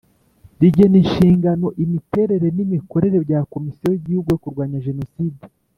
Rigena inshingano imiterere n imikorere bya komisiyo y igihugu yo kurwanya jenoside